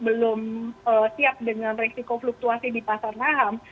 belum siap dengan resiko fluktuasi di pasar naham